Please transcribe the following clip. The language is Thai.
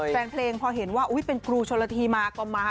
แฟนเพลงพอเห็นว่าเป็นครูชนละทีมาก็มา